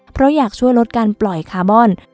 เพราะอยากช่วยลดการปล่อยคาร์บอน